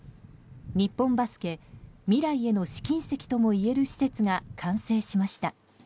日本バスケ、未来への試金石ともいえる施設が完成しました。